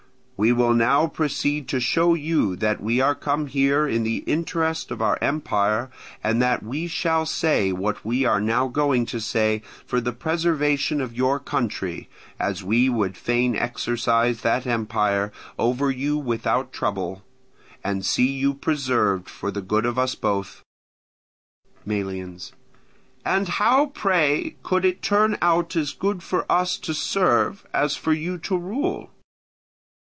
We will now proceed to show you that we are come here in the interest of our empire, and that we shall say what we are now going to say, for the preservation of your country; as we would fain exercise that empire over you without trouble, and see you preserved for the good of us both. Melians. And how, pray, could it turn out as good for us to serve as for you to rule?